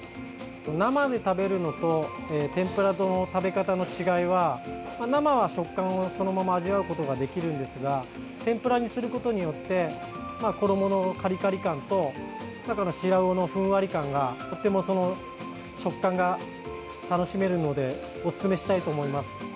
生で食べるのと天ぷらとの食べ方の違いは生は食感をそのまま味わうことができるんですが天ぷらにすることによって衣のカリカリ感と中のシラウオのふんわり感がとても食感が楽しめるのでおすすめしたいと思います。